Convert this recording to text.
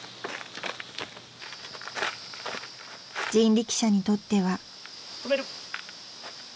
［人力車にとっては］